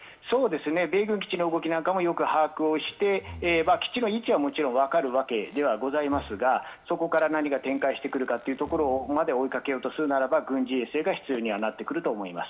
米軍基地の動きなんかもよく把握して、基地の位置はもちろん分かるわけではございますが、そこから何が展開してくるのかというところまで追いかけようとするならば、軍事衛星が必要になってくるんだと思います。